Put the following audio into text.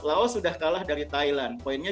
laos sudah kalah dari thailand poinnya